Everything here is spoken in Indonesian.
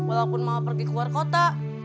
walaupun mau pergi ke luar kota